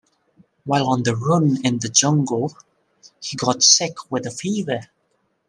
While on the run in the jungle, he got sick with a fever.